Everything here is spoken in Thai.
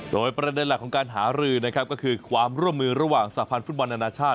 โดยประเด็นหลักของการหารือนะครับก็คือความร่วมมือระหว่างสาพันธ์ฟุตบอลอนาชาติ